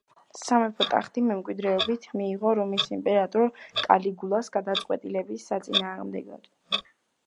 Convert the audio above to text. სამეფო ტახტი მემკვიდრეობით მიიღო რომის იმპერატორ კალიგულას გადაწყვეტილების საწინააღმდეგოდ.